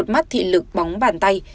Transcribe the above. một mắt thị lực bóng bàn tay